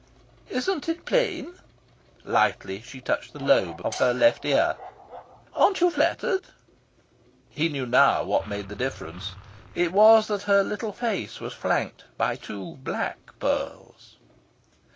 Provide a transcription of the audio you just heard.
"Isn't it plain?" Lightly she touched the lobe of her left ear. "Aren't you flattered?" He knew now what made the difference. It was that her little face was flanked by two black pearls.